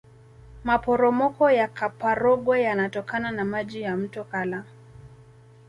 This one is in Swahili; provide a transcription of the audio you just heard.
maporomoko ya kaporogwe yanatokana na maji ya mto kala